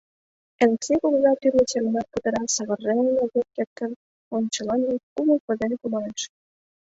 Элексей кугыза тӱрлӧ семынат кутыра, савырен огеш керт гын, ончыланже кумык возын кумалеш.